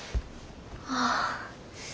ああ。